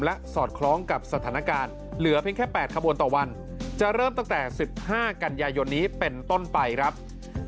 และสอดคล้องกับสถานการณ์เหลือเพียงแค่๘ขบวนต่อวันจะเริ่มตั้งแต่๑๕กันยายนนี้เป็นต้นไปครับ